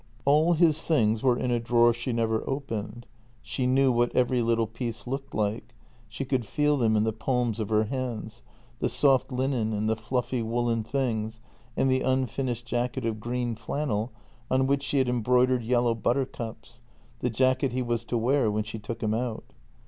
All his things were in a drawer she never opened. She knew what every little piece looked like; she could feel them in the palms of her hands, the soft linen and the fluffy woollen things and the unfinished jacket of green flannel on which she had embroidered yellow buttercups — the jacket he was to wear when she took him out.